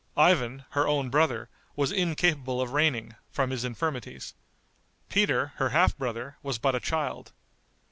Ivan, her own brother, was incapable of reigning, from his infirmities. Peter, her half brother, was but a child.